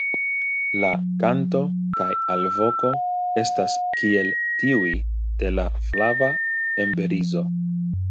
La kanto kaj alvoko estas kiel tiuj de la Flava emberizo.